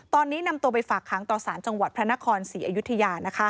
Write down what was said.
ตอนนี้นำตัวไปฝากขังต่อสารจังหวัดพระนคร๔อย